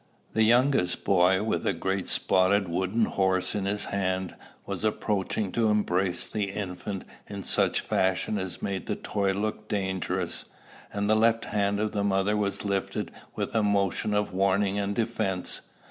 The youngest boy, with a great spotted wooden horse in his hand, was approaching to embrace the infant in such fashion as made the toy look dangerous, and the left hand of the mother was lifted with a motion of warning and defence.